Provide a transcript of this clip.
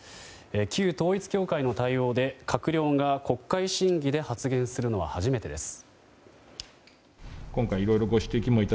旧統一教会の対応で、閣僚が国会審議で発言するのは初めてです。